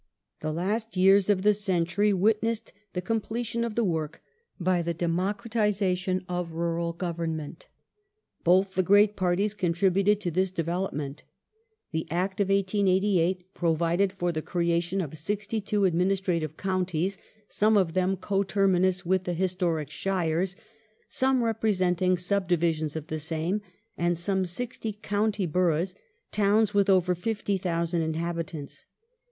The last years of the century' witnessed the completion of the work by the democratization of Rural Government. Both the great Parties contributed to this development. The Act of 1888 provided for the creation of sixty two "administrative counties," some of them co terminous with the historic shires, some representing subdivisions of the same, and some sixty " county boroughs "— towns with over 50,000 in habitants.